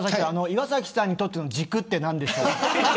岩崎さんにとっての軸って何ですか。